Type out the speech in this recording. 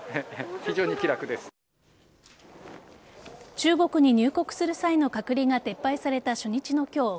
中国に入国する際の隔離が撤廃された初日の今日